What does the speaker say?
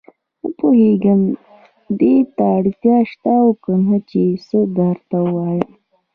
نه پوهېږم دې ته اړتیا شته او کنه چې څه درته ووايم.